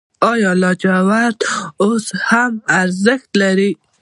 آیا لاجورد اوس هم ارزښت لري؟